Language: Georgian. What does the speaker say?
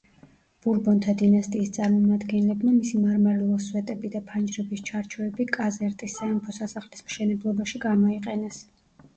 ბურბონთა დინასტიის წარმომადგენლებმა, მისი მარმარილოს სვეტები და ფანჯრების ჩარჩოები კაზერტის სამეფო სასახლის მშენებლობაში გამოიყენეს.